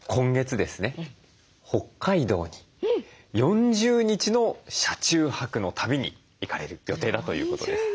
北海道に４０日の車中泊の旅に行かれる予定だということです。